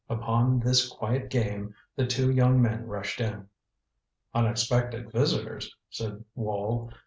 Upon this quiet game the two young men rushed in. "Unexpected visitors," said Wall.